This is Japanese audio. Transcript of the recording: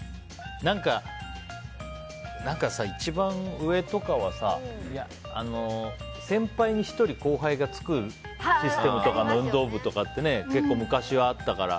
何か、一番上とかはさ先輩に１人後輩がつくシステムとかの運動部とかって結構、昔はあったから